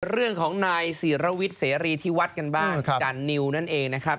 เรื่องของนายศิรวิทย์เสรีที่วัดกันบ้างจานิวนั่นเองนะครับ